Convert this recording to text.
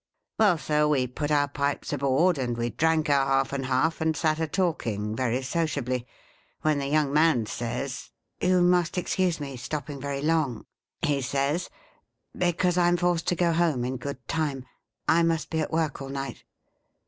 " Well, Sir, we put our pipes aboard, and we drank our half and half, and sat a talking, very sociably, when the young man says, ' You must excuse me stopping very long,' he says, ' because I 'm forced to go home in good time. I must be at work all night.'